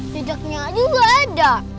jejaknya aja gak ada